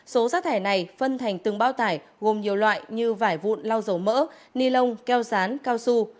số rác thải này phân thành từng bao tải gồm nhiều loại như vải vụn lau dầu mỡ ni lông keo rán cao su